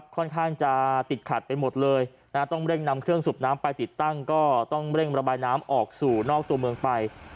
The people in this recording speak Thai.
ค่อนข้างจะติดขัดไปหมดเลยต้องเร่งนำเครื่องสูบน้ำไปติดตั้งก็ต้องเร่งระบายน้ำออกสู่นอกตัวเมืองไป